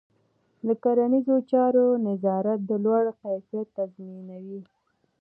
د کرنيزو چارو نظارت د لوړ کیفیت تضمینوي.